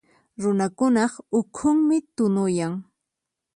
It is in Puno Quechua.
Runakunaq ukhunmi tunuyan.